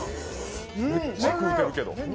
めっちゃ食うてるけど。